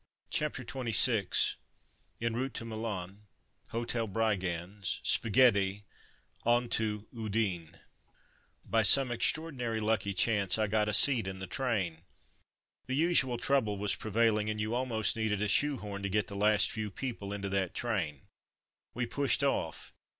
CHAPTER XXVI EN ROUTE TO MILAN — HOTEL BRIGANDS — SPAGHETTI — ON TO UDINE By some extraordinary lucky chance I got a seat in the train. The usual trouble was prevailing, and you almost needed a shoe horn to get the last few people into that train. We pushed off.